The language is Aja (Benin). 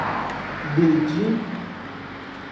De eji.